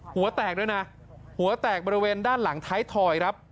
หัวแตกด้วยนะหัวแตกบริเวณด้านหลังท้ายถอยครับ